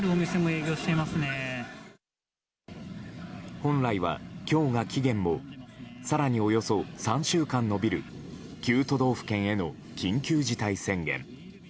本来は今日が期限も更におよそ３週間延びる９都道府県への緊急事態宣言。